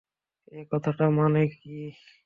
এ কথাটার মানে কী?